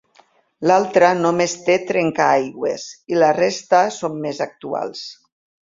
L'altra només té trencaaigües, i la resta són més actuals.